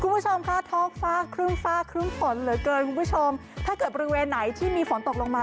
คุณผู้ชมค่ะท้องฟ้าครึ่งฟ้าครึ่งฝนเหลือเกินคุณผู้ชมถ้าเกิดบริเวณไหนที่มีฝนตกลงมา